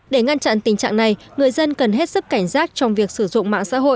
để ngăn chặn tình trạng này người dân cần hết sức cảnh giác trong việc sử dụng mạng xã hội